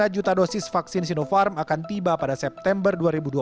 dua puluh juta dosis vaksin sinopharm akan tiba pada september dua ribu dua puluh satu